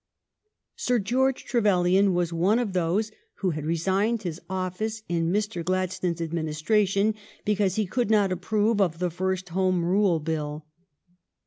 Sir George Trevelyan was one of those who had resigned his office in Mr. Gladstone's adminis tration because he could not approve of the first Home Rule Bill.